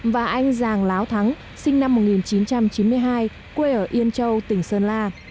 và anh giàng láo thắng sinh năm một nghìn chín trăm chín mươi hai quê ở yên châu tỉnh sơn la